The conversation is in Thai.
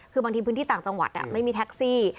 คือบางทีพื้นที่ต่างจังหวัดไม่มีแท็กซี่